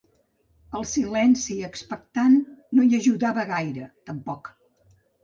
El silenci expectant no hi ajudava gaire, tampoc.